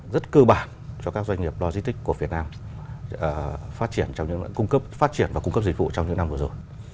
rất cơ bản cho các doanh nghiệp logistics của việt nam phát triển và cung cấp dịch vụ trong những năm vừa rồi